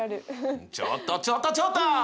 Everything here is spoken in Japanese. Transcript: ちょっとちょっとちょっと！